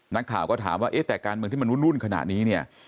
นักข่าวก็ถามว่าเอ๊ะแต่การเมืองที่มันวุ่นขนาดนี้เนี่ย